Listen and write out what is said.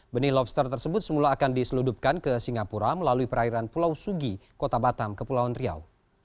benih lobster tersebut semula akan diseludupkan ke singapura melalui perairan pulau sugi kota batam kepulauan riau